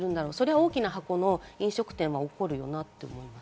大きな箱の飲食店は怒るよなと思います。